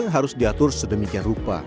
harus diatur sedemikian rupa